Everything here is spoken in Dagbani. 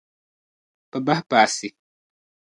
Bɛ bahi paasi.